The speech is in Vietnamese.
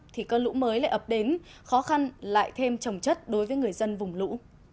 thì cơn lũ mới lại ập đến khó khăn lại thêm trồng chất đối với người dân vùng lũ